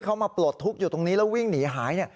มาปลดทุกข์อยู่ตรงนี้แล้ววิ่งหนีหาย